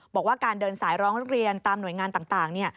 บอกว่าการเดินสายร้องเรียนตามหน่วยงานต่าง